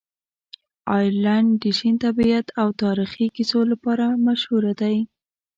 آیرلنډ د شین طبیعت او تاریخي کیسو لپاره مشهوره دی.